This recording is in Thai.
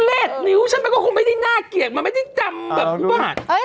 ทุเลสนิ้วฉันแปลก็คงไม่ได้น่าเกลียดมันไม่ได้จำแบบพี่ป้าหาด